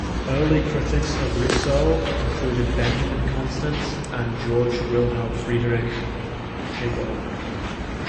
Early critics of Rousseau included Benjamin Constant and Georg Wilhelm Friedrich Hegel.